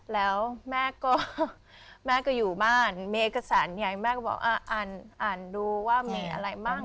แล้วแม่ก็แม่ก็อยู่บ้านมีเอกสารใหญ่แม่ก็บอกอ่านดูว่ามีอะไรบ้าง